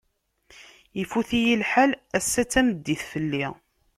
Ifut-iyi lḥal, assa d tameddit fell-i.